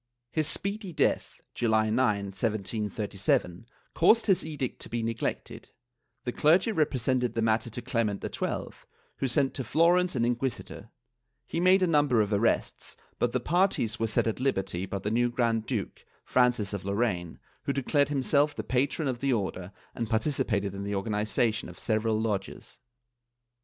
His speedy death (July 9, 1737), caused his edict to be neglected; the clergy repre sented the matter to Clement XII, who sent to Florence an inquisi tor; he made a number of arrests, but the parties were set at liberty by the new Grand duke, Francis of Lorraine, who declared him self the patron of the Order and participated in the organization of several lodges.